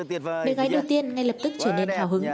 bên gái đầu tiên ngay lập tức trở nên thảo hứng